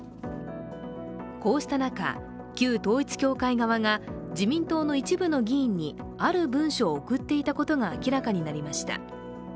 こうした中、旧統一教会側が、自民党の一部の議員にある文書を送っていたことが明らかになりました。